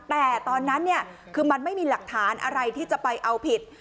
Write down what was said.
แต่ตอนนั้นคือมันไม่มีหลักฐานอะไรที่จะไปเอาผิด